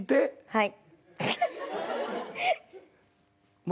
はい。